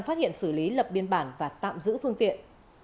phát hiện xử lý lập biên bản và tạm giữ phương tiện